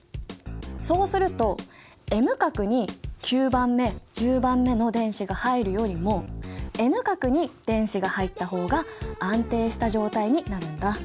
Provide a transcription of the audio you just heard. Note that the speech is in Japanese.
そうするとＭ殻に９番目１０番目の電子が入るよりもＮ殻に電子が入った方が安定した状態になるんだ。